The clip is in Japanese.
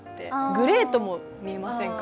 グレーとも見えませんか？